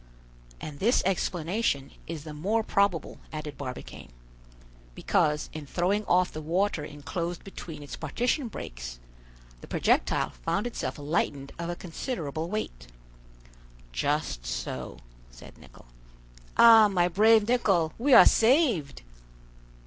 "And this explanation is the more probable," added Barbicane, "Because, in throwing off the water enclosed between its partition breaks, the projectile found itself lightened of a considerable weight." "Just so," said Nicholl. "Ah, my brave Nicholl, we are saved!"